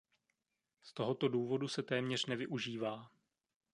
Z tohoto důvodu se téměř nevyužívá.